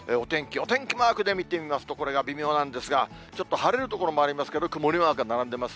お天気マークで見てみますと、これが微妙なんですが、ちょっと晴れる所もありますけど、曇りマークが並んでます。